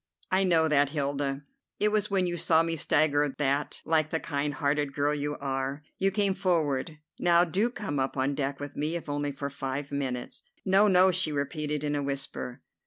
"I know that, Hilda. It was when you saw me stagger that, like the kind hearted girl you are, you came forward. Now, do come up on deck with me, if only for five minutes." "No, no," she repeated in a whisper.